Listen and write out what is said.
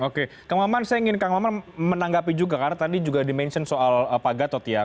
oke kang maman saya ingin kang maman menanggapi juga karena tadi juga di mention soal pak gatot ya